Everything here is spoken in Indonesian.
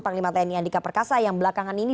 panglima tni andika perkasa yang belakangan ini